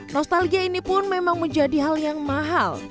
nostalgia ini pun memang menjadi hal yang mahal